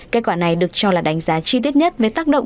kết quả này được cho là đánh giá chi tiết hơn